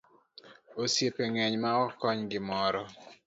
Osiepe ngeny maok kony gimoro.